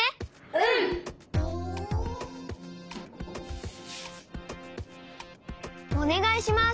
うん！おねがいします！